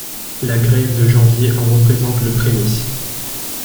La grève de janvier en représente le prémisse.